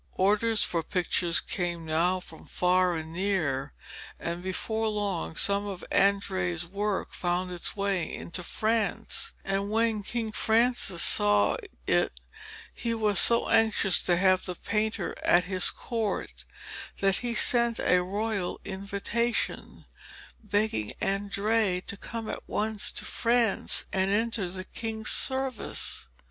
Orders for pictures came now from far and near, and before long some of Andrea's work found its way into France; and when King Francis saw it he was so anxious to have the painter at his court, that he sent a royal invitation, begging Andrea to come at once to France and enter the king's service.